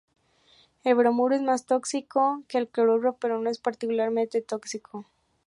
El bromuro es más tóxico que el cloruro, pero no es particularmente tóxico.